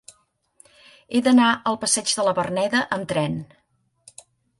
He d'anar al passeig de la Verneda amb tren.